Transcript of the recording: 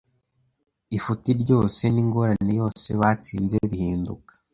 ifuti ryose n’ingorane yose batsinze bihinduka